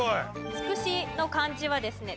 ツクシの漢字はですね